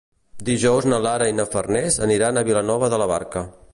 Dijous na Lara i na Farners aniran a Vilanova de la Barca.